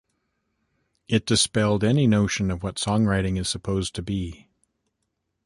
It dispelled any notion of what songwriting is supposed to be.